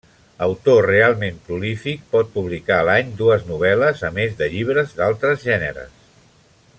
Autor realment prolífic, pot publicar a l'any dues novel·les a més de llibres d'altres gèneres.